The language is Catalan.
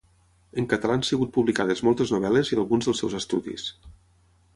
En català han sigut publicades moltes novel·les i alguns dels seus estudis.